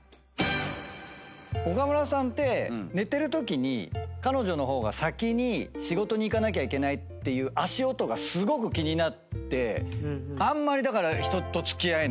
岡村さんって寝てるときに彼女の方が先に仕事に行かなきゃいけないって足音がすごく気になってあんまりだから。